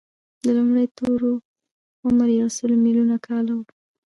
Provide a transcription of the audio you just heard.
د لومړنیو ستورو عمر یو سل ملیونه کاله و.